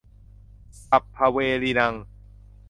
สัพพะเวรีนัง